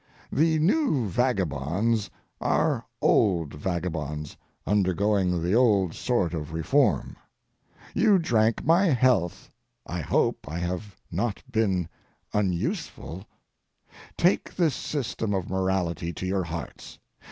The New Vagabonds are old vagabonds (undergoing the old sort of reform). You drank my health; I hope I have not been unuseful. Take this system of morality to your hearts.